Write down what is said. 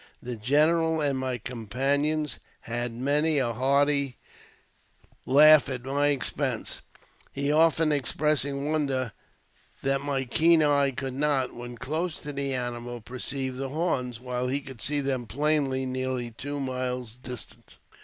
The general and my companions had many a hearty laugh at my expense, he often expressing wonder that my keen eye could not, when close to the animal, perceive the horns, while he could see them plainly near two miles distant.